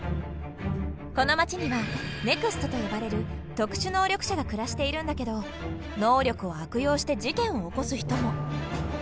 この街には「ＮＥＸＴ」と呼ばれる特殊能力者が暮らしているんだけど能力を悪用して事件を起こす人も。